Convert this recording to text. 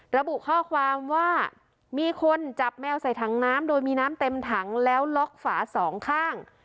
ระบุข้อความว่ามีคนจับแมวใส่ถังน้ำโดยมีน้ำเต็มถังแล้วล็อกฝาสองข้าง